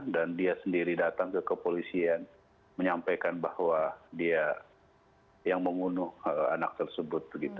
dan dia sendiri datang ke kepolisian menyampaikan bahwa dia yang membunuh anak tersebut